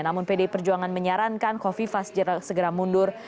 namun pdi perjuangan menyarankan kofifa segera mundur